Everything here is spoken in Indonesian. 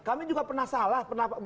kami juga pernah salah